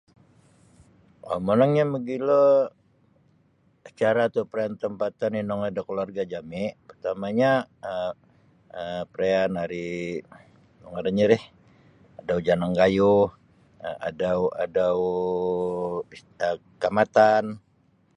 Oo monongnyo mogilo acara tu perayaan tempatan inongoi da keluarga jami. pertamanya um um perayaan hari nu ngarannyo rih adau janang gayuh adau adau pista kaamatan.